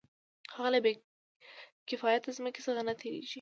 هغه له بې کفایته ځمکې څخه نه تېرېږي